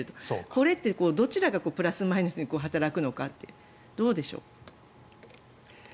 これってどちらがプラス、マイナスに働くのかってどうでしょう？